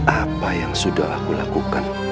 apa yang sudah aku lakukan